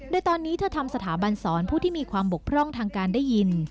โดยตอนนี้เธอทำสถาบันสอนผู้ที่มีความบกพร่องทางการได้ยิน